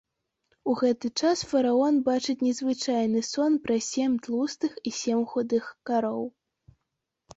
У гэты час фараон бачыць незвычайны сон пра сем тлустых і сем худых кароў.